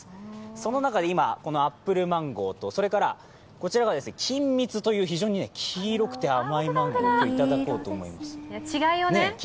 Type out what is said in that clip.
その中で、アップルマンゴーと、こちらがきんみつという非常に黄色くて濃いマンゴーもいただきます。